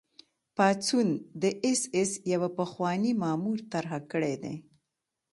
پاڅون د اېس ایس یوه پخواني مامور طرح کړی دی